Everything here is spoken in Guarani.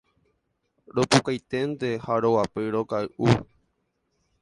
Ropukainténte ha roguapy rokay'u.